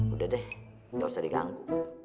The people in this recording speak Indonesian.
udah deh nggak usah diganggu